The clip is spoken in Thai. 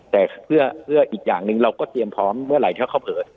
แต่เพื่ออีกอย่างหนึ่งเราก็เตรียมพร้อมเมื่อไหร่ถ้าเขาเผลอ